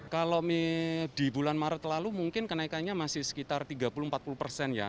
kalau di bulan maret lalu mungkin kenaikannya masih sekitar tiga puluh empat puluh persen ya